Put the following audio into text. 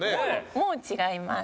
もう違います。